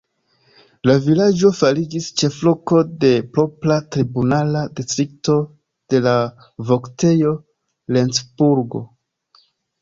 La vilaĝo fariĝis ĉefloko de propra tribunala distrikto de la voktejo Lencburgo.